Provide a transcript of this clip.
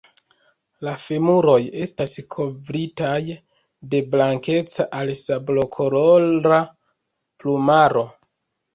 La femuroj estas kovritaj de blankeca al sablokolora plumaro.